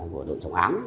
của đội trọng án